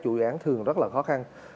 chủ dự án thường rất là khó khăn